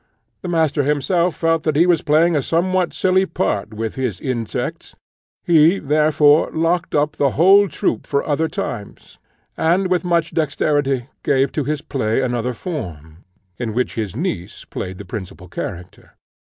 The master himself felt that he was playing a somewhat silly part with his insects; he, therefore, locked up the whole troop for other times, and with much dexterity gave to his play another form, in which his niece played the principal character.